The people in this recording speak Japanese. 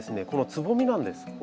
このつぼみなんです。